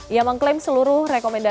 ia mengklaim seluruh rekomendasi